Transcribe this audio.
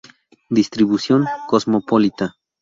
Distribución: cosmopolita.